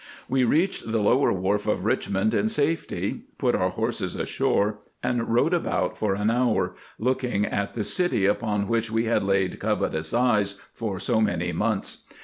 "We reached the lower wharf of Richmond in safety, put our horses ashore, and rode about for an hour, looking at the city upon which we had laid covetous eyes for so many months.